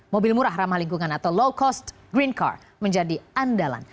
mobil murah ramah lingkungan atau low cost green car menjadi andalan